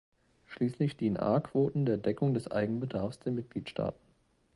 Schließlich dienen A-Quoten der Deckung des Eigenbedarfs der Mitgliedstaaten.